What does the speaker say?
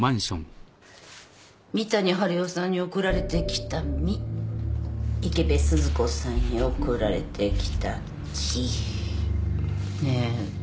三谷治代さんに送られてきた「み」池部鈴子さんへ送られてきた「き」ねえ？